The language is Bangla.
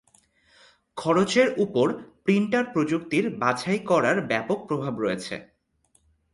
খরচের উপর প্রিন্টার প্রযুক্তির বাছাই করার ব্যাপক প্রভাব রয়েছে।